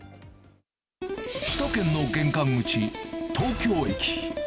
首都圏の玄関口、東京駅。